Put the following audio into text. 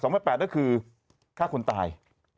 ๒๘๘น่ะคือภาคคนตาย